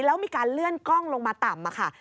แล้วมีการเลื่อนกล้องลงมาต่ำมาค่ะ